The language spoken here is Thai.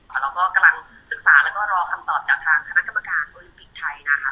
เราก็กำลังศึกษาแล้วก็รอคำตอบจากทางคณะกรรมการโอลิมปิกไทยนะคะ